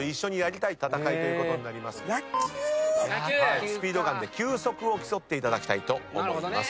・野球⁉スピードガンで球速を競っていただきたいと思います。